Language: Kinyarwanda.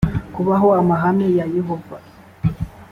kubaha amahame ya yehova